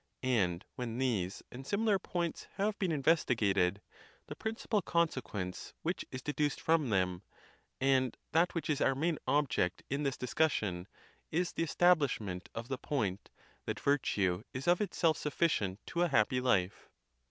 And when these and similar points have been investigated, the principal conse quence which is deduced from them, and that which is our main object in this discussion, is the establishment of the point, that virtue is of itself sufficient to a happy life.